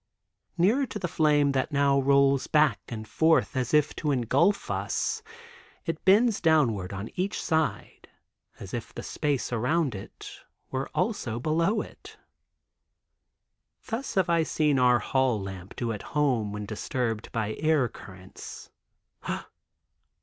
Nearer to the flame that now rolls back and forth as if to engulf us, it bends downward on each side as if the space around it were also below it. Thus have I seen our hall lamp do at home when disturbed by air currents.